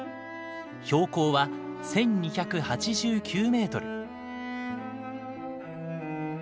標高は１，２８９メートル。